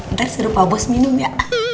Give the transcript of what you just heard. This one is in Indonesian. ntar serupa bos minum ya